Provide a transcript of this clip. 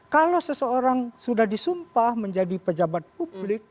kalau seseorang sudah disumpah menjadi pejabat publik